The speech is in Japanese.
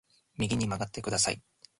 右に曲がってください